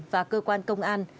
và cơ quan công an